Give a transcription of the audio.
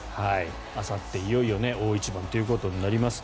あさって、いよいよ大一番ということになります。